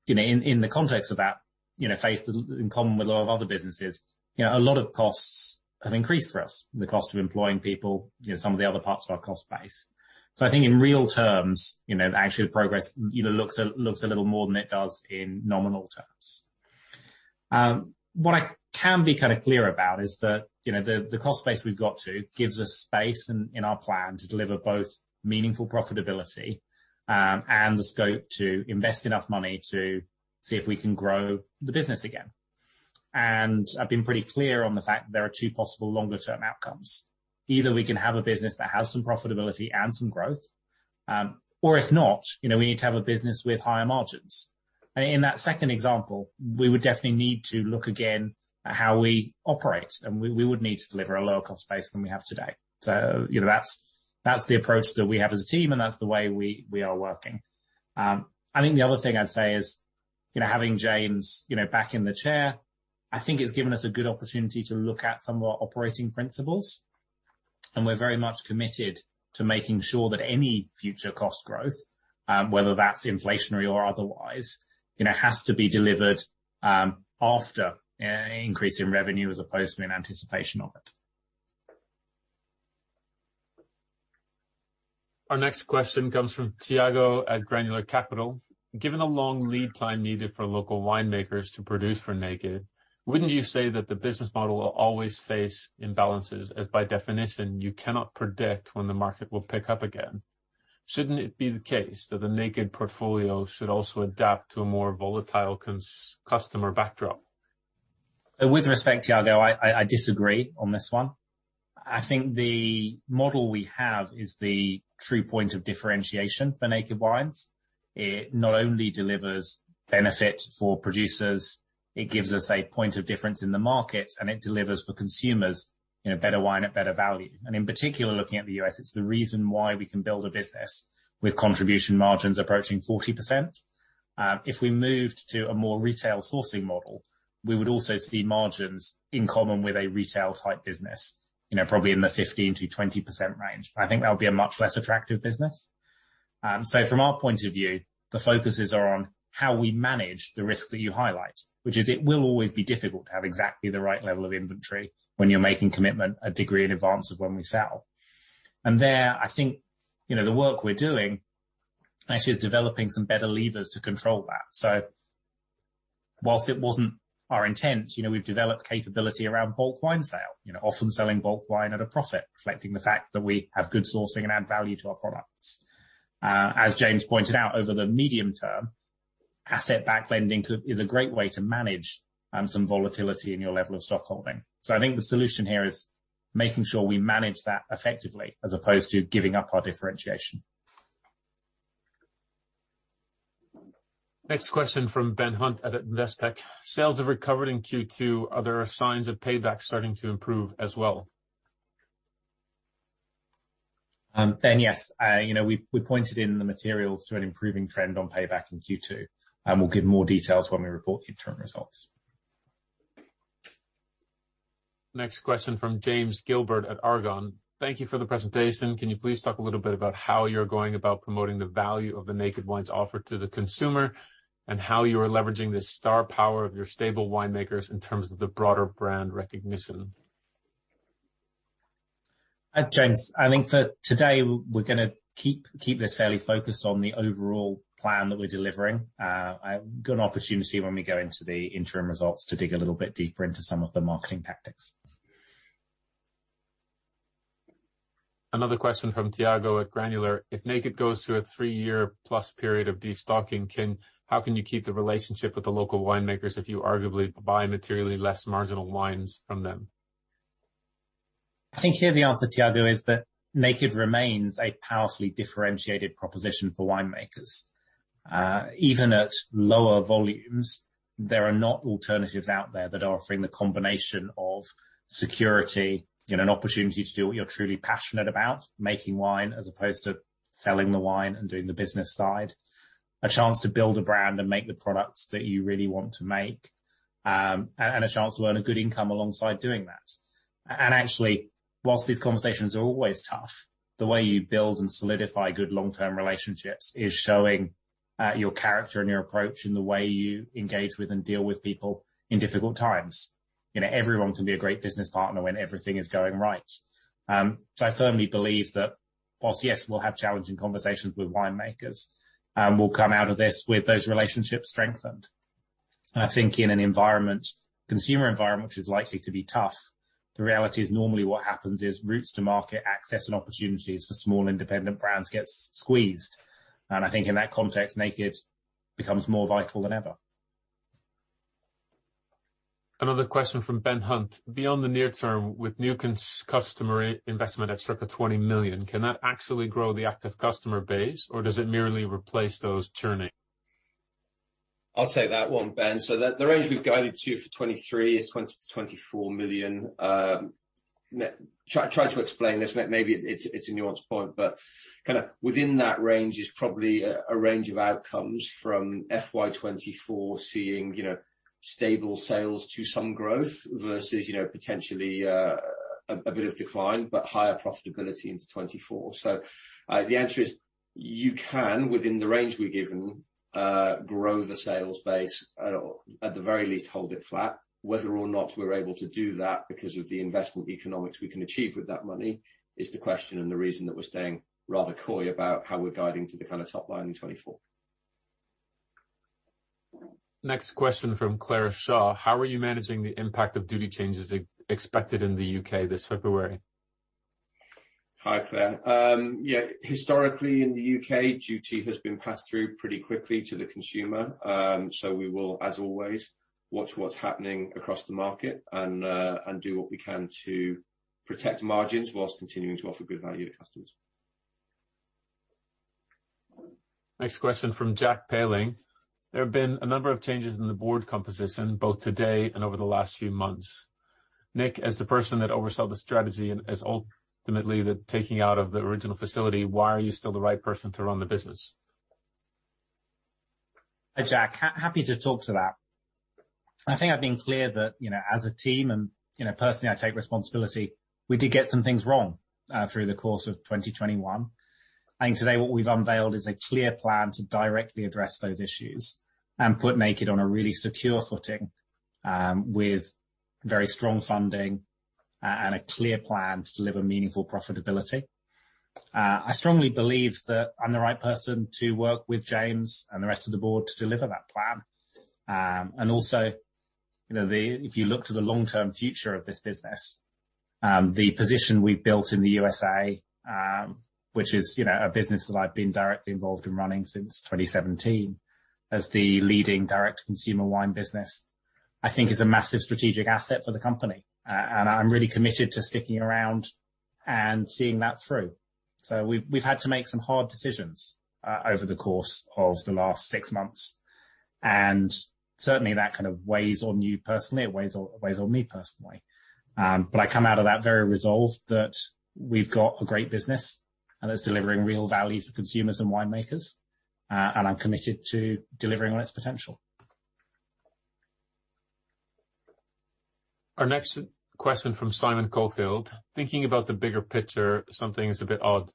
Speaker 1: you know, in the context of that, you know, faced a lot in common with a lot of other businesses, you know, a lot of costs have increased for us. The cost of employing people, you know, some of the other parts of our cost base. I think in real terms, you know, actually the progress, you know, looks a little more than it does in nominal terms. What I can be kind of clear about is that, you know, the cost base we've got gives us space in our plan to deliver both meaningful profitability and the scope to invest enough money to see if we can grow the business again. I've been pretty clear on the fact that there are two possible longer term outcomes. Either we can have a business that has some profitability and some growth, or if not, you know, we need to have a business with higher margins. In that second example, we would definitely need to look again at how we operate, and we would need to deliver a lower cost base than we have today. You know, that's the approach that we have as a team, and that's the way we are working. I think the other thing I'd say is, you know, having James, you know, back in the chair, I think it's given us a good opportunity to look at some of our operating principles, and we're very much committed to making sure that any future cost growth, whether that's inflationary or otherwise, you know, has to be delivered after an increase in revenue as opposed to in anticipation of it.
Speaker 8: Our next question comes from Thiago at Granular Capital. Given the long lead time needed for local winemakers to produce for Naked, wouldn't you say that the business model will always face imbalances, as by definition, you cannot predict when the market will pick up again? Shouldn't it be the case that the Naked portfolio should also adapt to a more volatile customer backdrop?
Speaker 1: With respect, Thiago, I disagree on this one. I think the model we have is the true point of differentiation for Naked Wines. It not only delivers benefit for producers, it gives us a point of difference in the market, and it delivers for consumers, you know, better wine at better value. In particular, looking at the U.S., it's the reason why we can build a business with contribution margins approaching 40%. If we moved to a more retail sourcing model, we would also see margins in common with a retail type business, you know, probably in the 15%-20% range. I think that would be a much less attractive business. From our point of view, the focuses are on how we manage the risk that you highlight. Which is it will always be difficult to have exactly the right level of inventory when you're making commitments a degree in advance of when we sell. There, I think, you know, the work we're doing actually is developing some better levers to control that. While it wasn't our intent, you know, we've developed capability around bulk wine sale. You know, often selling bulk wine at a profit, reflecting the fact that we have good sourcing and add value to our products. As James pointed out, over the medium term, asset-backed lending is a great way to manage some volatility in your level of stock holding. I think the solution here is making sure we manage that effectively as opposed to giving up our differentiation.
Speaker 8: Next question from Ben Hunt at Investec. Sales have recovered in Q2. Are there signs of payback starting to improve as well?
Speaker 1: Ben, yes. You know, we pointed in the materials to an improving trend on payback in Q2, and we'll give more details when we report the interim results.
Speaker 8: Next question from James Gilbert at Argon. Thank you for the presentation. Can you please talk a little bit about how you're going about promoting the value of the Naked Wines offer to the consumer, and how you are leveraging the star power of your stable winemakers in terms of the broader brand recognition?
Speaker 1: James, I think for today, we're gonna keep this fairly focused on the overall plan that we're delivering. I've got an opportunity when we go into the interim results to dig a little bit deeper into some of the marketing tactics.
Speaker 8: Another question from Thiago at Granular Capital. If Naked goes through a three-year plus period of destocking, how can you keep the relationship with the local winemakers if you arguably buy materially less marginal wines from them?
Speaker 1: I think here the answer, Thiago, is that Naked remains a powerfully differentiated proposition for winemakers. Even at lower volumes, there are no alternatives out there that are offering the combination of security, you know, an opportunity to do what you're truly passionate about, making wine as opposed to selling the wine and doing the business side. A chance to build a brand and make the products that you really want to make, and a chance to earn a good income alongside doing that. Actually, while these conversations are always tough, the way you build and solidify good long-term relationships is showing your character and your approach in the way you engage with and deal with people in difficult times. You know, everyone can be a great business partner when everything is going right. I firmly believe that while, yes, we'll have challenging conversations with winemakers, we'll come out of this with those relationships strengthened. I think in an environment, consumer environment which is likely to be tough, the reality is normally what happens is routes to market access and opportunities for small independent brands get squeezed. I think in that context, Naked becomes more vital than ever.
Speaker 8: Another question from Ben Hunt. Beyond the near term with new customer investment at circa 20 million, can that actually grow the active customer base or does it merely replace those churning?
Speaker 2: I'll take that one, Ben. The range we've guided to for 2023 is 20 million-24 million. Try to explain this, maybe it's a nuanced point, but kinda within that range is probably a range of outcomes from FY 2024 seeing, you know, stable sales to some growth versus, you know, potentially, a bit of decline, but higher profitability into 2024. The answer is you can, within the range we've given, grow the sales base or at the very least hold it flat. Whether or not we're able to do that because of the investment economics we can achieve with that money is the question and the reason that we're staying rather coy about how we're guiding to the kinda top line in 2024.
Speaker 8: Next question from Clara Shaw. How are you managing the impact of duty changes expected in the U.K. This February?
Speaker 2: Hi, Clara. Yeah, historically in the U.K., duty has been passed through pretty quickly to the consumer. We will, as always, watch what's happening across the market and do what we can to protect margins while continuing to offer good value to customers.
Speaker 8: Next question from Jack Pailing. There have been a number of changes in the board composition, both today and over the last few months. Nick, as the person who oversaw the strategy and ultimately took out the original facility, why are you still the right person to run the business?
Speaker 1: Hi, Jack. Happy to talk to that. I think I've been clear that, you know, as a team and, you know, personally, I take responsibility. We did get some things wrong through the course of 2021. I think today what we've unveiled is a clear plan to directly address those issues and put Naked on a really secure footing with very strong funding and a clear plan to deliver meaningful profitability. I strongly believe that I'm the right person to work with James and the rest of the board to deliver that plan. Also, you know, if you look to the long-term future of this business, the position we've built in the U.S.A., which is, you know, a business that I've been directly involved in running since 2017 as the leading direct-to-consumer wine business, I think is a massive strategic asset for the company. I'm really committed to sticking around and seeing that through. We've had to make some hard decisions over the course of the last six months, and certainly that kind of weighs on you personally. It weighs on me personally. I come out of that very resolved that we've got a great business, and it's delivering real value to consumers and winemakers, and I'm committed to delivering on its potential.
Speaker 8: Our next question from Simon Caufield. Thinking about the bigger picture, something is a bit odd.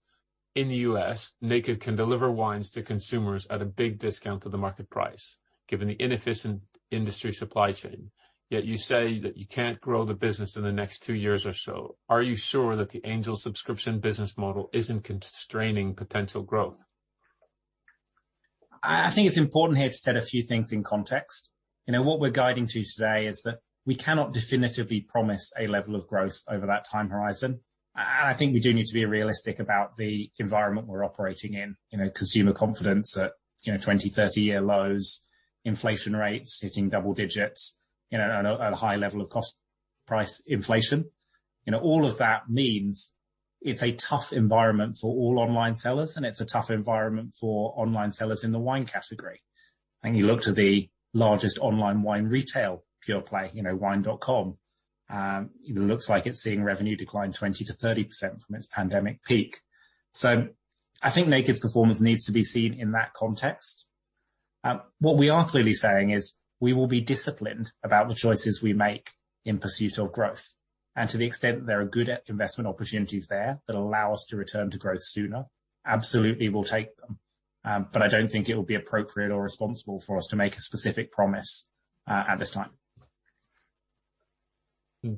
Speaker 8: In the U.S., Naked can deliver wines to consumers at a big discount to the market price, given the inefficient industry supply chain. Yet you say that you can't grow the business in the next two years or so. Are you sure that the Angel subscription business model isn't constraining potential growth?
Speaker 1: I think it's important here to set a few things in context. You know, what we're guiding to today is that we cannot definitively promise a level of growth over that time horizon. And I think we do need to be realistic about the environment we're operating in. You know, consumer confidence at 20- and 30-year lows, inflation rates hitting double digits, you know, at a high level of cost price inflation. You know, all of that means it's a tough environment for all online sellers, and it's a tough environment for online sellers in the wine category. When you look to the largest online wine retail pure play, you know, wine.com, it looks like it's seeing revenue decline 20%-30% from its pandemic peak. I think Naked's performance needs to be seen in that context. What we are clearly saying is we will be disciplined about the choices we make in pursuit of growth. To the extent there are good investment opportunities there that allow us to return to growth sooner, absolutely we'll take them. I don't think it will be appropriate or responsible for us to make a specific promise at this time.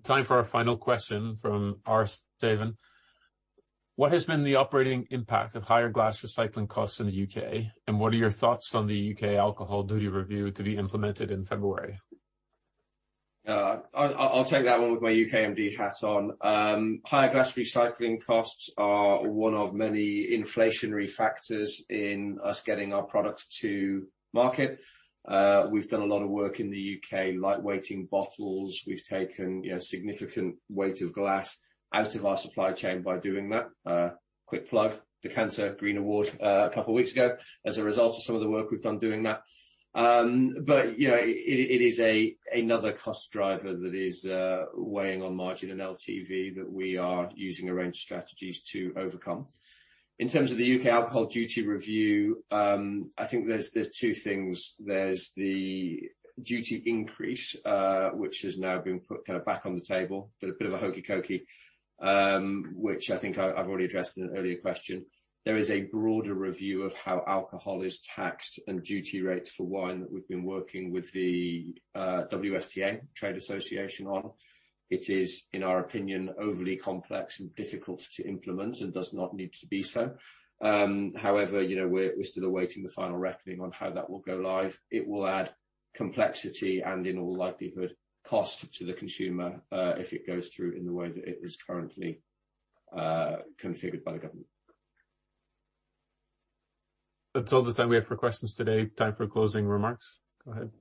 Speaker 8: Time for our final question from Eric Steven. What has been the operating impact of higher glass recycling costs in the U.K., and what are your thoughts on the U.K. alcohol duty review to be implemented in February?
Speaker 2: I'll take that one with my UK-MD hat on. Higher glass recycling costs are one of many inflationary factors in our getting our product to market. We've done a lot of work in the U.K. lightweighting bottles. We've taken, you know, significant weight of glass out of our supply chain by doing that. Quick plug, Decanter Green Award, a couple weeks ago, as a result of some of the work we've done doing that. But you know, it is another cost driver that is weighing on margin and LTV that we are using a range of strategies to overcome. In terms of the U.K. alcohol duty review, I think there's two things. There's the duty increase, which has now been put kinda back on the table, been a bit of a hokey cokey, which I think I've already addressed in an earlier question. There is a broader review of how alcohol is taxed and duty rates for wine that we've been working with the Wine and Spirit Trade Association on. It is, in our opinion, overly complex and difficult to implement and does not need to be so. However, you know, we're still awaiting the final reckoning on how that will go live. It will add complexity and, in all likelihood, cost to the consumer, if it goes through in the way that it is currently configured by the government.
Speaker 8: That's all the time we have for questions today. Time for closing remarks. Go ahead.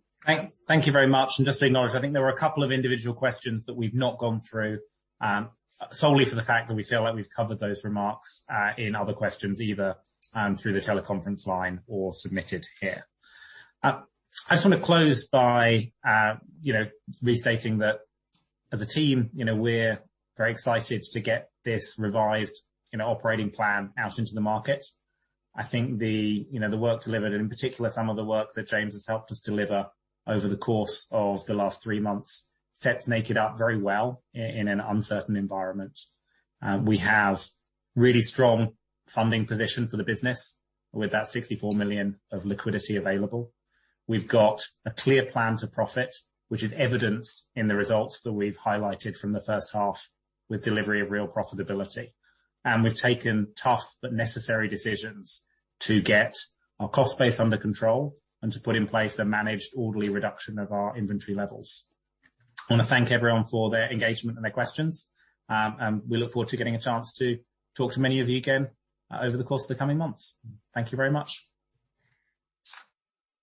Speaker 1: Thank you very much. And just to acknowledge, I think there were a couple of individual questions that we've not gone through, solely for the fact that we feel like we've covered those remarks in other questions, either through the teleconference line or submitted here. I just wanna close by you know, restating that as a team, you know, we're very excited to get this revised you know, operating plan out into the market. I think you know, the work delivered, in particular some of the work that James has helped us deliver over the course of the last three months sets Naked up very well in an uncertain environment. We have really strong funding position for the business with that 64 million of liquidity available. We've got a clear plan to profit, which is evidenced in the results that we've highlighted from the first half with delivery of real profitability. We've taken tough but necessary decisions to get our cost base under control and to put in place a managed orderly reduction of our inventory levels. I wanna thank everyone for their engagement and their questions, and we look forward to getting a chance to talk to many of you again, over the course of the coming months. Thank you very much.